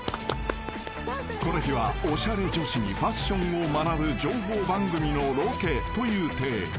［この日はおしゃれ女子にファッションを学ぶ情報番組のロケという体］